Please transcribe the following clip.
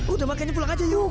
udah makannya pulang aja yuk